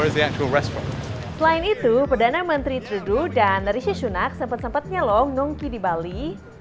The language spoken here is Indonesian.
selain itu perdana menteri trudeau dan narisha sunak sempet sempetnya loh ngongki di bali